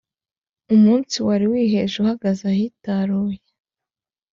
umunsi wari wiheje uhagaze ahitaruye,